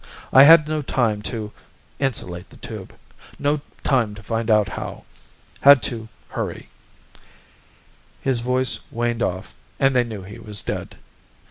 I had no time to insulate the tube. No time to find out how. Had to hurry " His voice waned off and they knew he was dead.